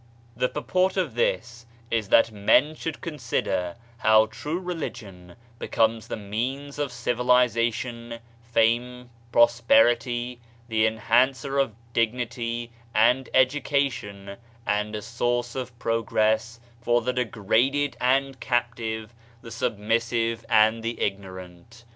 The purport of this is that men should consider how true religion becomes the means of civiliza tion, fame, prosperity, the enhancer of dignity and education and a source of progress for the de graded and captive, the submissive and the ignorant.